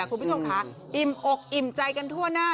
คุณผู้ชมค่ะอิ่มอกอิ่มใจกันทั่วหน้า